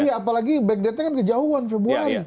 iya apalagi back datenya kan kejauhan februari